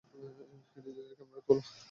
এটা ডিজিটাল ক্যামেরায় তোলা।